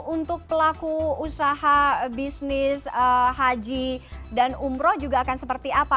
untuk pelaku usaha bisnis haji dan umroh juga akan seperti apa